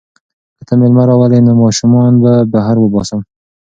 که ته مېلمانه راولې نو ماشومان به بهر وباسم.